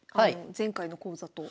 前回の講座と。